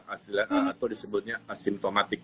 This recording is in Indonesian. atau disebutnya asimptomatik